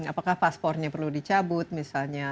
apakah paspornya perlu dicabut misalnya